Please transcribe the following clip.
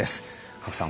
賀来さん